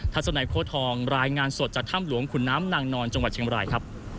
สนัยโค้ทองรายงานสดจากถ้ำหลวงขุนน้ำนางนอนจังหวัดเชียงบรายครับ